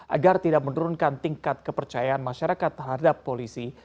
agar tidak menurunkan tingkat kepercayaan masyarakat terhadap polisi